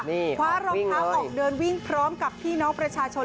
นี่ค่ะวิ่งเลยขวารองทางออกเดินวิ่งพร้อมกับพี่น้องประชาชน